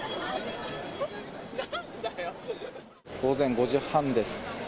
午前５時半です。